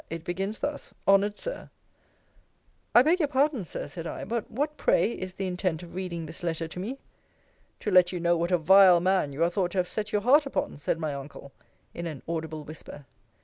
It begins thus: Honoured Sir I beg your pardon, Sir, said I: but what, pray, is the intent of reading this letter to me? To let you know what a vile man you are thought to have set your heart upon, said my uncle, in an audible whisper.